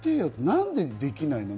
なんでできないの？